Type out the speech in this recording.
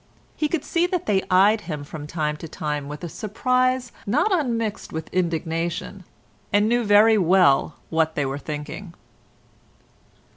He could see that they eyed him from time to time with a surprise not unmixed with indignation, and knew very well what they were thinking.